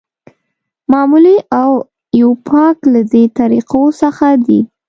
معمولي او ایوپاک له دې طریقو څخه دي.